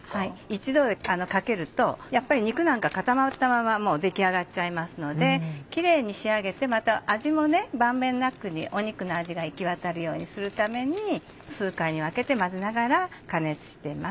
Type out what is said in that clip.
一度でかけるとやっぱり肉なんか固まったままもう出来上がっちゃいますのでキレイに仕上げてまた味もね満遍なく肉の味が行き渡るようにするために数回に分けて混ぜながら加熱しています。